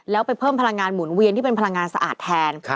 แล้วไปเพิ่มพลังงานหมุนเวียนที่เป็นพลังงานสะอาดแทน